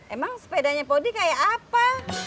emang sepedanya pak odi kayak apa